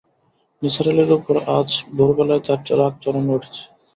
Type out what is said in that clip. নিসার আলির ওপর আজ ভোরবেলায় তাঁর রাগ চরমে উঠেছে।